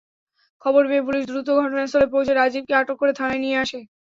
খবর পেয়ে পুলিশ দ্রুত ঘটনাস্থলে পৌঁছে রাজীবকে আটক করে থানায় নিয়ে আসে।